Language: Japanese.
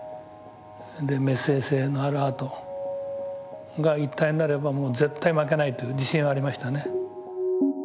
でメッセージ性のあるアートが一体になればもう絶対負けないという自信はありましたね。